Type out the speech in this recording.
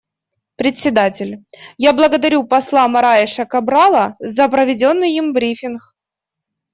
Председатель: Я благодарю посла Мораеша Кабрала за проведенный им брифинг.